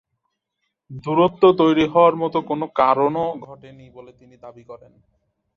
দূরত্ব তৈরি হওয়ার মতো কোনো কারণও ঘটেনি বলে তিনি দাবি করেন।